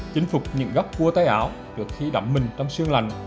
chính phục những góc cua tay áo được khi đậm mình trong sương lạnh